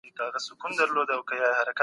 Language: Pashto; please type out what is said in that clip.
طيارې په هوا کې الوت کوي.